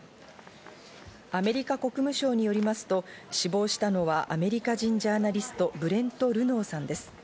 アメリカ国務省によりますと、死亡したのはアメリカ人ジャーナリスト、ブレント・ルノーさんです。